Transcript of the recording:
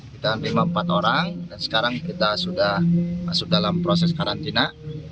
kita lima empat orang dan sekarang kita sudah masuk dalam proses karantina